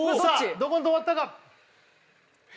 どこにとまったか？